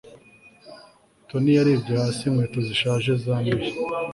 tony yarebye hasi inkweto zishaje zanduye